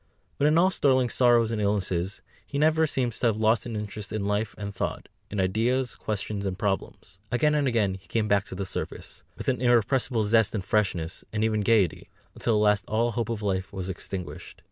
But in all Sterling's sorrows and illnesses, he never seems to have lost his interest in life and thought, in ideas, questions, and problems. Again and again he came back to the surface, with an irrepressible zest and freshness, and even gaiety, until at last all hope of life was extinguished.